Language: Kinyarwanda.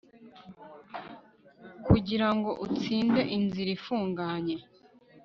Kugira ngo utsinde inzira ifunganye